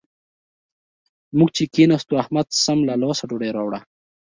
موږ چې کېناستو؛ احمد سم له لاسه ډوډۍ راوړه.